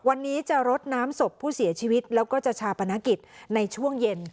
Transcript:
วันนี้จะรดน้ำศพผู้เสียชีวิตแล้วก็จะชาปนกิจในช่วงเย็น